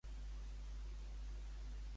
Et fa guanyar sis lligues i una Champions.